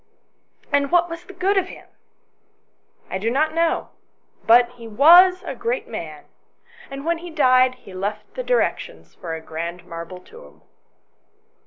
"And what was the good of him ?"" I do not know. But he was a great man, and when he died, he left directions for a grand marble tomb."